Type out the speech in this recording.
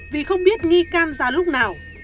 vì không biết nghi can ra lúc nào